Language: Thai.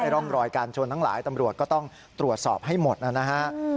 ร่องรอยการชนทั้งหลายตำรวจก็ต้องตรวจสอบให้หมดนะฮะ